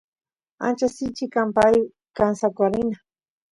ancha sinchi kan pay kan soqarina